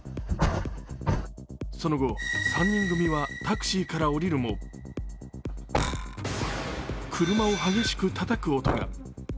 その後、３人組はタクシーから降りるも車を激しくたたく音が。